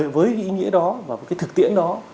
với ý nghĩa đó và cái thực tiễn đó